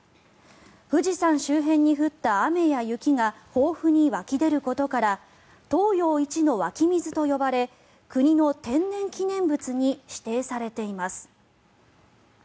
富士山周辺に降った雨や雪が豊富に湧き出ることから東洋一の湧き水と呼ばれ国の天然記念物に指定されています。